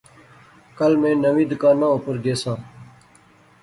کل میں نویں دکاناں اوپر گیساں